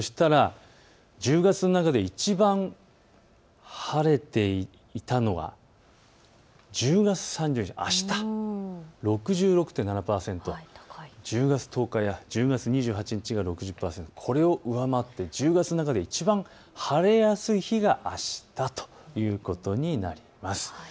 １０月の中でいちばん晴れていたのは１０月３０日、あした６６．７％１０月１０日や１０月２８日が６０％、これを上回って１０月の中でいちばん晴れやすい日があしたということになります。